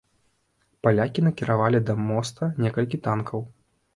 Палякі накіравалі да моста некалькі танкаў.